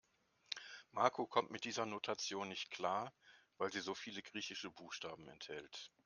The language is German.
Marco kommt mit dieser Notation nicht klar, weil sie so viele griechische Buchstaben enthält.